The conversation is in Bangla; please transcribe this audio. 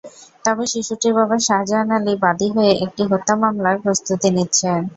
তবে শিশুটির বাবা শাহজাহান আলী বাদী হয়ে একটি হত্যা মামলার প্রস্তুতি নিচ্ছেন।